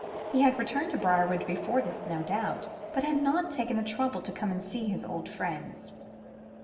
He had returned to Briarwood before this, no doubt, but had not taken the trouble to come and see his old friends.